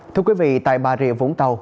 thưa quý vị tại bà rịa vũng tàu